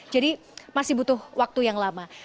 jadi masih butuh waktu yang lama